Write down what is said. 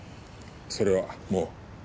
それはもう。